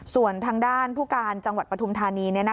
ส่วนทางด้านผู้การจังหวัดปฐุมธานี